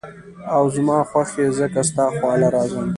او زما خوښ ئې ځکه ستا خواله راځم ـ